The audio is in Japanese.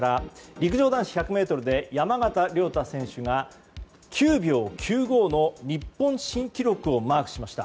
陸上男子１００ｍで山縣亮太選手が９秒９５の日本新記録をマークしました。